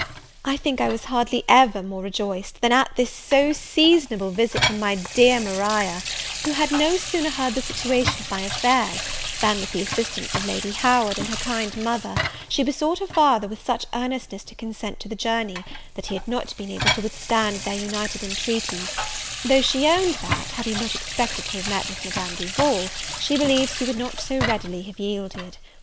I think I was hardly ever more rejoiced than at this so seasonable visit from my dear Maria; who had no sooner heard the situation of my affairs, than with the assistance of Lady Howard, and her kind mother, she besought her father with such earnestness to consent to the journey, that he had not been able to withstand their united intreaties; though she owned that, had he not expected to have met with Madame Duval, she believes he would not so readily have yielded.